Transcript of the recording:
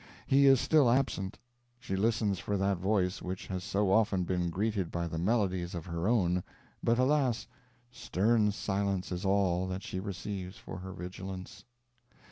He is still absent; she listens for that voice which has so often been greeted by the melodies of her own; but, alas! stern silence is all that she receives for her vigilance.